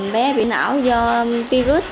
bé bị não do virus